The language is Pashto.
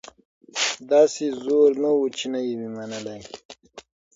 داسي زور نه وو چي نه یې وي منلي